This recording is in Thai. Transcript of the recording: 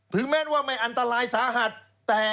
ถือแม่นว่าไม่อันตรายสาหัสแต่